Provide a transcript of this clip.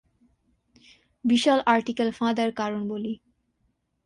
বিশাল article ফাঁদার কারণ বলি।